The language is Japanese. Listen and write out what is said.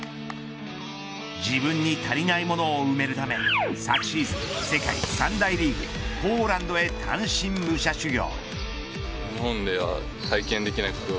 自分に足りないものを埋めるため昨シーズン、世界三大リーグポーランドへ単身武者修行。